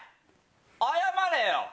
謝れよ！